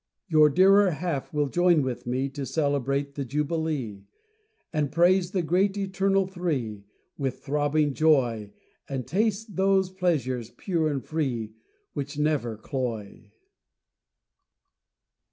Your dearer half will join with me To celebrate the jubilee, And praise the Great Eternal Three With throbbing joy, And taste those pleasures pure and free Which never cloy.